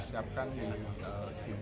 ketika pergub penugasannya kita sudah terima